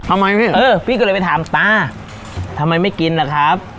ทำไมพี่เออพี่ก็เลยไปถามตาทำไมไม่กินล่ะครับ